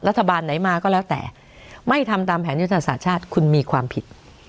รัฐบาลไหนมาก็แล้วแต่ไม่ทำตามแผนยุทธศาสตร์ชาติคุณมีความผิด